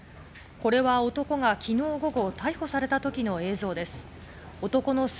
これは男が昨日午後、逮捕された時の映像です。